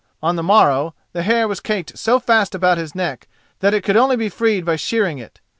On the morrow the hair was caked so fast about his neck that it could only be freed by shearing it.